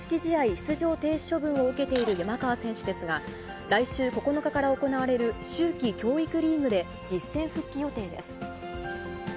出場停止処分を受けている山川選手ですが、来週９日から行われる秋季教育リーグで実戦復帰予定です。